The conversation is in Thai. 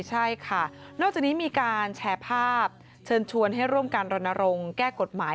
ใช่ค่ะนอกจากนี้มีการแชร์ภาพเชิญชวนให้ร่วมการรณรงค์แก้กฎหมาย